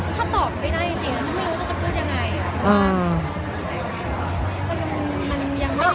โอ้ใจร้ายมาก